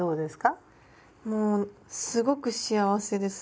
もうすごく幸せです。